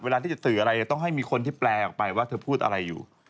เวลาที่จะสื่ออะไรจะต้องให้มีคนที่แปลออกไปว่าเธอพูดอะไรอยู่